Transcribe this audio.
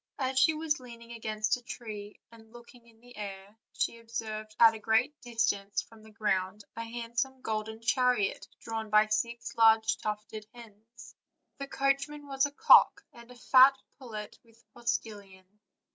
As she was leaning against a tree, and looking in the air, she observed at a great distance from the ground a handsome golden chariot, drawn by six large tufted hens; 352 OLD, OLD FAIRY TALES. the coachman was a cock, and a fat pullet the postilion.